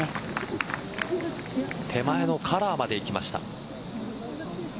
手前のカラーまでいきました。